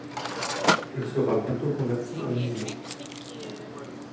Il sera bientôt converti en musée.